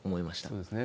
そうですね。